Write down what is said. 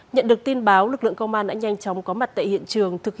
nhận được tin báo lực lượng công an đã nhanh chóng có mặt tại hiện trường